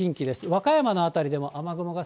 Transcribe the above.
和歌山の辺りでも雨雲が。